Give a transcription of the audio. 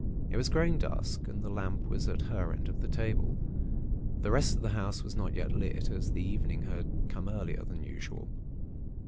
It was growing dusk, and the lamp was at her end of the table. The rest of the house was not yet lit, as the evening had come earlier than usual.